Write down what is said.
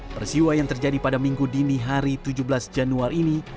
persiwa yang terjadi pada minggu dini hari tujuh belas januari ini